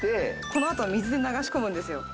この後水で流し込むんですよ。